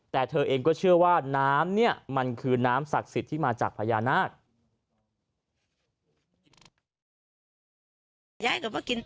แต่เธอเองก็เชื่อว่าน้ำเนี่ยมันคือน้ำศักดิ์สิทธิ์ที่มาจากพญานาค